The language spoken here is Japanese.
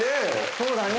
そうだね。